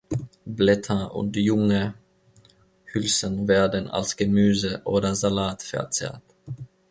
Blätter und junge Hülsen werden als Gemüse oder Salat verzehrt.